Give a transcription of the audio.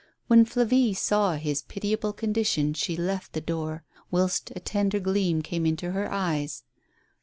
When Flavie saw his pitiable condition she left the door, whilst a tender gleam came into her eyes.